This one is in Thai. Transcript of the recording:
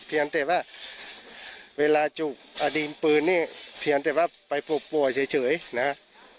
เพียงแต่ว่าเวลาจุกอดีตปืนนี่เพียงแต่ว่าไปผู้ป่วยเฉยนะ